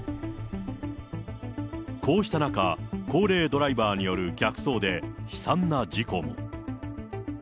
こうした中、高齢ドライバーによる逆走で、悲惨な事故も。